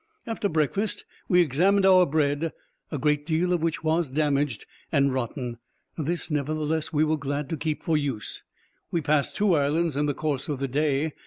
After breakfast we examined our bread, a great deal of which was damaged and rotten; this, nevertheless, we were glad to keep for use. We passed two islands in the course of the day.